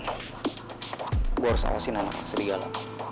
gue harus awasin anak anak serigala